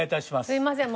すいません。